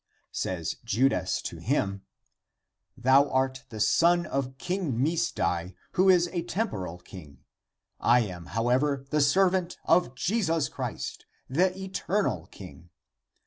Says Judas to him, " Thou art the son of King Misdai, who is a temporal king. I am, however, the servant of Jesus Christ, the eter nal King.